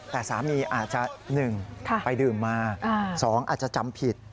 แต่สามีอาจจะ๑ไปดื่มมา๒อาจจะจำผิด